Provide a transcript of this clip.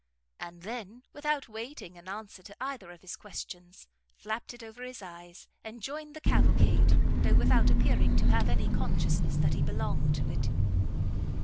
and then, without waiting an answer to either of his questions, flapped it over his eyes, and joined the cavalcade, though without appearing to have any consciousness that he belonged to it.